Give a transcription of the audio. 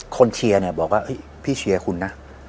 เชียร์เนี่ยบอกว่าพี่เชียร์คุณนะ